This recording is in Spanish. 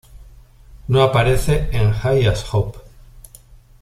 No aparece en High As Hope.